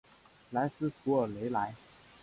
莱斯图尔雷莱。